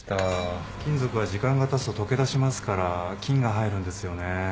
金属は時間がたつととけだしますから菌が入るんですよねえ。